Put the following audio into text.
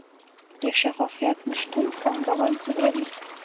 د شفافیت نشتون پانګوال ځوروي؟